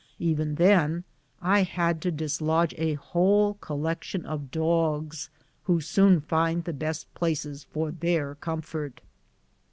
Even then I had to dislodge a whole collection of dogs, who soon find the best places for tlieir comfort.